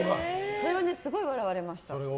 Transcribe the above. それはすごい笑われました。